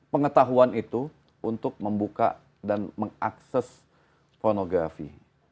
pengetahuan itu untuk membuka dan mengakses pornografi